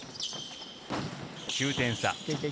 ９点差。